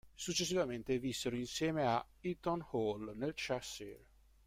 Successivamente vissero insieme a Eaton Hall nel Cheshire.